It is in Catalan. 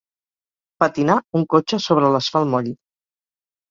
Patinar, un cotxe, sobre l'asfalt moll.